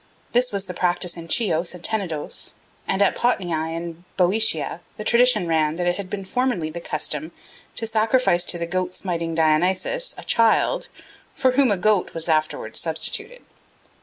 This was the practice in Chios and Tenedos; and at Potniae in Boeotia the tradition ran that it had been formerly the custom to sacrifice to the goat smiting Dionysus a child, for whom a goat was afterwards substituted.